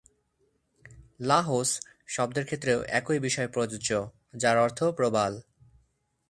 "লাহস" শব্দের ক্ষেত্রেও একই বিষয় প্রযোজ্য, যার অর্থ প্রবাল।